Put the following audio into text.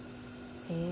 へえ。